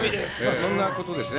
そんなことですね。